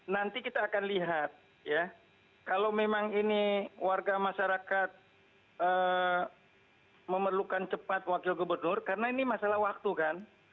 nanti kita akan lihat ya kalau memang ini warga masyarakat memerlukan cepat wakil gubernur karena ini masalah waktu kan